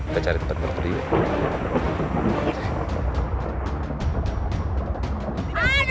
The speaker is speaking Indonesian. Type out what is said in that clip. kita cari tempat berperiwet